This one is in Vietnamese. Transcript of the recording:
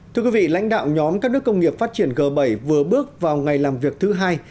thưa quý vị lãnh đạo nhóm các nước công nghiệp phát triển g bảy vừa bước vào ngày làm việc thứ hai